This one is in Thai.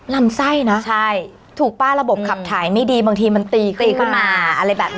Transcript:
ลำไส้เนอะใช่ถูกป่ะระบบขับถ่ายไม่ดีบางทีมันตีกลีขึ้นมาอะไรแบบนี้